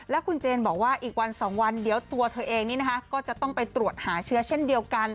แล้วคุณเจนบอกว่าอีกวัน๒วันเดี๋ยวตัวเธอเองนี่นะคะก็จะต้องไปตรวจหาเชื้อเช่นเดียวกัน